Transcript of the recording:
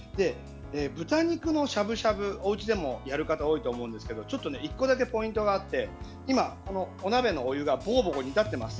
豚肉のしゃぶしゃぶおうちでもやる方多いと思うんですけども１個だけポイントがあって今、お鍋のお湯がぼこぼこ煮立っています。